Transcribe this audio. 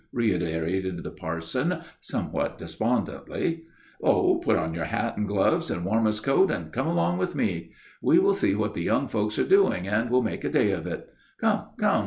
reiterated the parson, somewhat despondently. "Oh! put on your hat, and gloves, and warmest coat, and come along with me. We will see what the young folks are doing, and will make a day of it. Come! come!